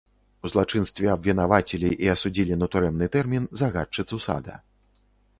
У злачынстве абвінавацілі і асудзілі на турэмны тэрмін загадчыцу сада.